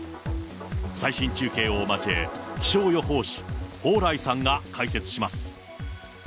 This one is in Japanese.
最新中継を交え、気象予報士、蓬莱さんが解説します。